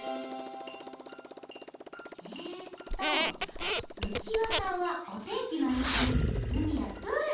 えっとうきわさんはおてんきのいいひにうみやプールにいくでしょ。